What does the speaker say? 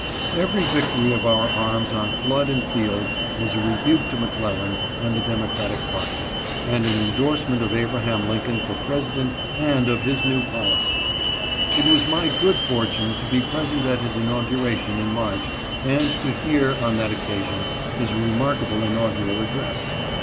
Every victory of our arms on flood and field was a rebuke to McClellan and the Democratic party, and an indorsement of Abraham Lincoln for President and of his new policy. It was my good fortune to be present at his inauguration in March, and to hear on that occasion his remarkable inaugural address.